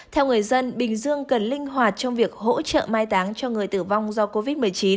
theo người dân bình dương cần linh hoạt trong việc hỗ trợ mai táng cho người tử vong do covid một mươi chín